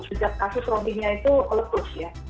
sejak kasus robbingnya itu elektrus ya